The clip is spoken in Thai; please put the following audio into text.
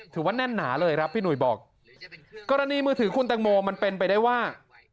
แน่นหนาเลยครับพี่หนุ่ยบอกกรณีมือถือคุณแตงโมมันเป็นไปได้ว่า